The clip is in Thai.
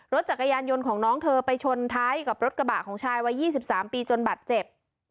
รถจักรยานยนต์ของน้องเธอไปชนท้ายกับรถกระบะของชายวัย๒๓ปีจนบัตรเจ็บ